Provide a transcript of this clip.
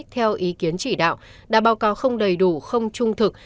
theo ý kiến chỉ đạo đã báo cáo không đầy đủ không trung thực